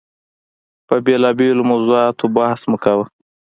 پر بېلابېلو موضوعاتو بحث مو کاوه.